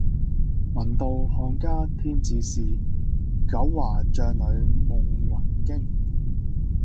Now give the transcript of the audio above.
聞道漢家天子使，九華帳里夢魂驚。